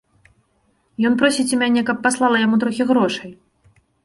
Ён просіць у мяне, каб паслала яму трохі грошай.